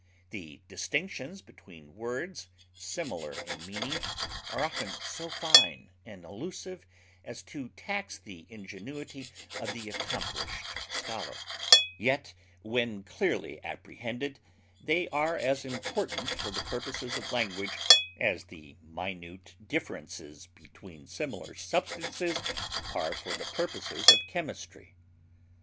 The distinctions between words similar in meaning are often so fine and elusive as to tax the ingenuity of the accomplished scholar; yet when clearly apprehended they are as important for the purposes of language as the minute differences between similar substances are for the purposes of chemistry.